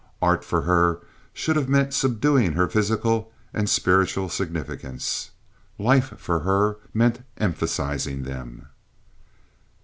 Art for her should have meant subduing her physical and spiritual significance. Life for her meant emphasizing them.